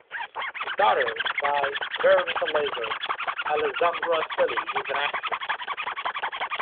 His daughter by Veronica Lazar, Alessandra Celi, is an actress.